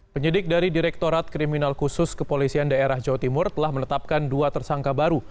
penyidik dari direktorat kriminal khusus kepolisian daerah jawa timur telah menetapkan dua tersangka baru